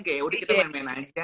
kayak udah kita main main aja